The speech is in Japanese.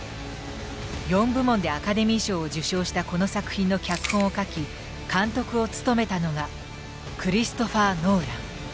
４部門でアカデミー賞を受賞したこの作品の脚本を書き監督を務めたのがクリストファー・ノーラン。